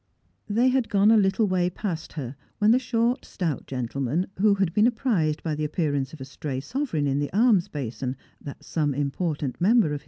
They had gone a little way past her, when the short stout gentleman, who had been apprised by the appearance of a stray sovereign in the alms basin that some important member of hi?